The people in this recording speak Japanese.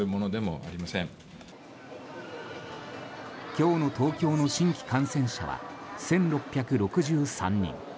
今日の東京の新規感染者は１６６３人。